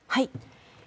はい。